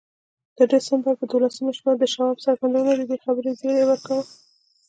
د ډسمبر پر دولسمه شپه د شواب څرګندونو د دې خبرې زيري ورکاوه.